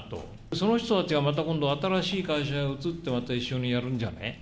その人たちがまた今度、新しい会社へ移って、また一緒にやるんじゃない。